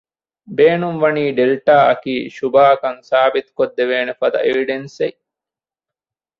ބޭނުންވަނީ ޑެލްޓާ އަކީ ޝުބާކަން ސާބިތުކޮށްދެވޭނެފަދަ އެވިޑެންސްއެއް